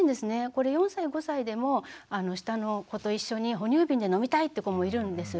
これ４歳５歳でも下の子と一緒に哺乳瓶で飲みたいって子もいるんです。